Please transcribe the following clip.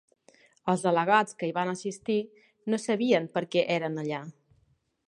Els delegats que hi van assistir no sabien perquè eren allà.